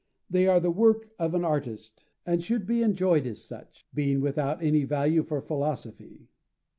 They are the work of an artist and should be enjoyed as such, being without any value for philosophy.